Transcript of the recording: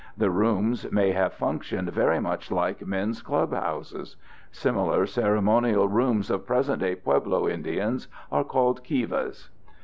The rooms may have functioned very much like men's clubhouses. Similar ceremonial rooms of present day Pueblo Indians are called kivas.